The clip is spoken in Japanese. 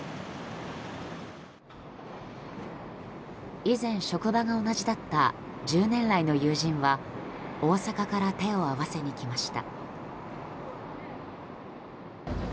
以前、職場が同じだった１０年来の友人は大阪から手を合わせに来ました。